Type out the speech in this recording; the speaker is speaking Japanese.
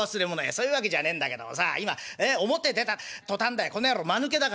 「そういうわけじゃねえんだけどもさ今表出た途端だよこの野郎まぬけだからね